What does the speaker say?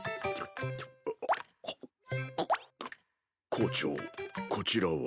校長こちらは。